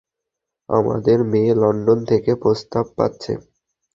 আমাদের মেয়ে লন্ডন থেকে প্রস্তাব পাচ্ছে।